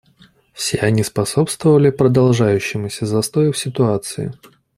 Все они способствовали продолжающемуся застою в ситуации.